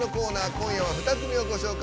今夜は２組をご紹介。